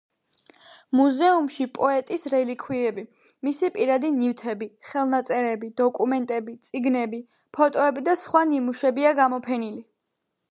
მუზეუმში პოეტის რელიქვიები: მისი პირადი ნივთები, ხელნაწერები, დოკუმენტები, წიგნები, ფოტოები და სხვა ნიმუშებია გამოფენილი.